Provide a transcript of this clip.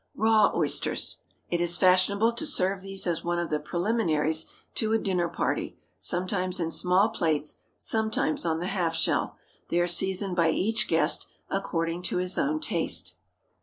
RAW OYSTERS. It is fashionable to serve these as one of the preliminaries to a dinner party; sometimes in small plates, sometimes on the half shell. They are seasoned by each guest according to his own taste.